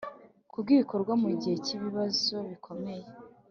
Kw ibikorwa mu gihe cy ibibazo bikomeye